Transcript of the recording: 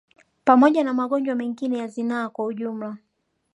Pamoja na magonjwa mengine ya zinaa kwa ujumla